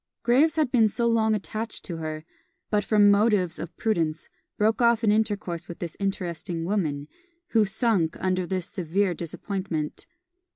Graves had been long attached to her, but from motives of prudence broke off an intercourse with this interesting woman, who sunk under this severe disappointment.